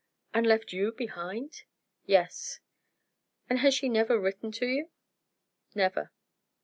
"And left you behind?" "Yes." "And has she never written to you?" "Never."